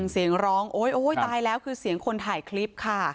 เสียงร้องโอ๊ยโอ้ยตายแล้วคือเสียงคนถ่ายคลิปค่ะ